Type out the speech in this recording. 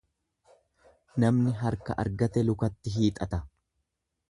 Namni harka argate lukatti hiixata.